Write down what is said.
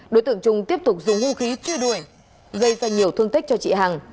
đối tượng trung tiếp tục dùng ngu khí chứa đuổi dây ra nhiều thương tích cho chị hằng